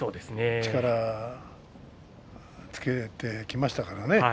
力をつけてきましたからね。